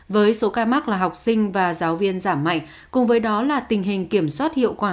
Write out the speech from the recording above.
với số ca mắc là học sinh và giáo viên giảm mạnh cùng với đó là tình hình kiểm soát hiệu quả